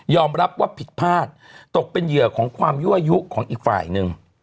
รับว่าผิดพลาดตกเป็นเหยื่อของความยั่วยุของอีกฝ่ายหนึ่ง